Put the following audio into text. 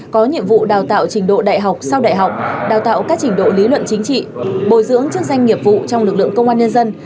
có nhiệm vụ đào tạo trình độ đại học sau đại học đào tạo các trình độ lý luận chính trị bồi dưỡng chức danh nghiệp vụ trong lực lượng công an nhân dân